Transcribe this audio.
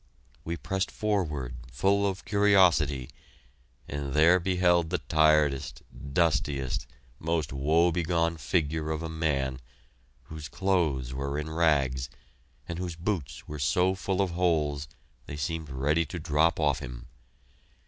We pressed forward, full of curiosity, and there beheld the tiredest, dustiest, most woe begone figure of a man, whose clothes were in rags, and whose boots were so full of holes they seemed ready to drop off him.